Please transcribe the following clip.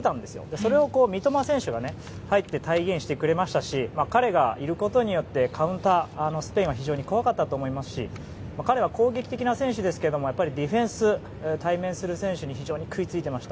それを、三笘選手がね体現してくれましたし彼がいることによってカウンターが、スペインは非常に怖かったと思いますし彼は攻撃的な選手ですがディフェンス、対面する選手に非常にくいついていました。